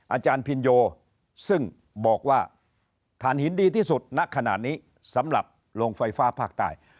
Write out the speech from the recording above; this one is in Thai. อาจารย์พินโยซึ่งบอกว่าฐานหินดีที่สุดณขณะนี้สำหรับโรงไฟฟ้าภาคใต้